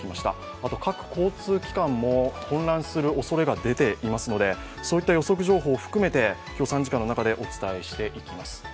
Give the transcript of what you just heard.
あと各交通機関も混乱するおそれが出ていますので、そういった予測情報を含めて、今日、３時間の中でお伝えしていきます。